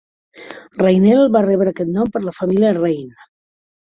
Rainelle va rebre aquest nom per la família Raine.